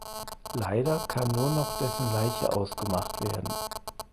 Leider kann nur noch dessen Leiche ausgemacht werden.